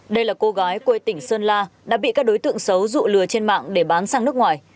đây là cô gái quê tỉnh sơn la đã bị các đối tượng xấu dụ lừa trên mạng để bán sang nước ngoài